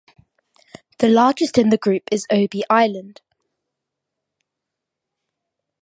The largest in the group is Obi Island.